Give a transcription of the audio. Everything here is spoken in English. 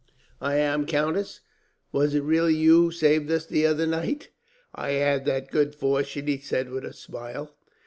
"I am, countess." "Was it really you who saved us, the other night?" "I had that good fortune," he said with a smile.